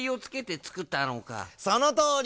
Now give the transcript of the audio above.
そのとおり！